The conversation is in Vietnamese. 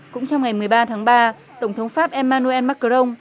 cũng trong ngày một mươi ba tháng ba tổng thống pháp emmanuel macron